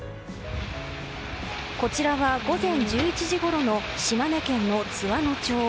こちらは午前１１時ごろの島根県の津和野町。